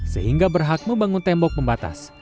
sehingga berhak membangun tembok pembatas